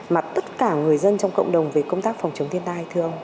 mà tất cả người dân trong cộng đồng về công tác phòng chống thiên tai thường